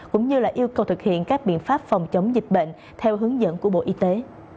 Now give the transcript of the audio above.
cũng như yêu cầu thực hiện các biện pháp phòng chống dịch bệnh theo hướng dẫn của bộ y tế